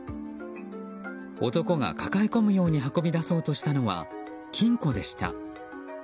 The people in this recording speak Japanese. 男が抱え込むように運び出そうとしたのは金庫でした。